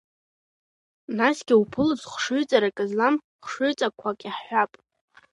Насгьы иуԥылоит хшыҩҵаррак злам хшыҩҵакқәак, иаҳҳәап…